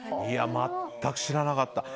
全く知らなかった。